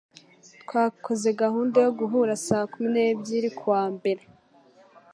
Twakoze gahunda yo guhura saa kumi n'ebyiri. ku wa mbere.